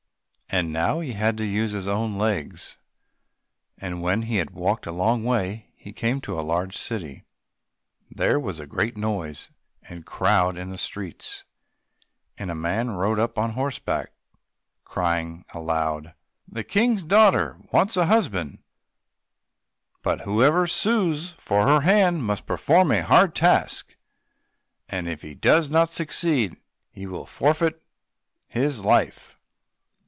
And now he had to use his own legs, and when he had walked a long way, he came to a large city. There was a great noise and crowd in the streets, and a man rode up on horseback, crying aloud, "The King's daughter wants a husband; but whoever sues for her hand must perform a hard task, and if he does not succeed he will forfeit his life."